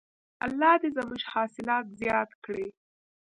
الله دې زموږ حاصلات زیات کړي.